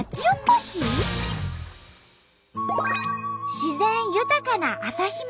自然豊かな朝日町。